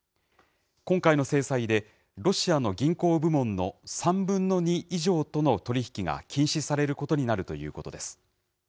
今回の制裁で、ロシアの銀行部門の３分の２以上との取り引きが禁止されることになるということです。